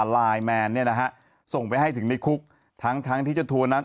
ไลน์แมนเนี่ยนะฮะส่งไปให้ถึงในคุกทั้งทั้งที่เจ้าทัวร์นั้น